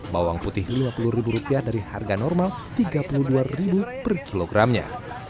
bawang putih lima puluh rupiah dari harga normal tiga puluh dua rupiah per kilogramnya